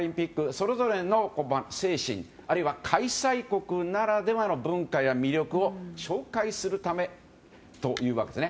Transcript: それぞれの精神あるいは開催国ならではの文化や魅力を紹介するためというわけですね。